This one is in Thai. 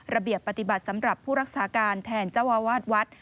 ระเบียบปฏิบัติสำหรับผู้รักษาการแทนเจ้าอาวาสวัด